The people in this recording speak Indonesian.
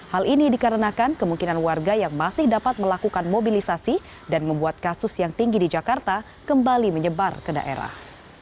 hal ini dikarenakan kemungkinan warga yang masih dapat melakukan mobilisasi dan membuat kasus yang tinggi di jakarta kembali menyebar ke daerah